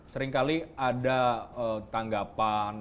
seringkali ada tanggapan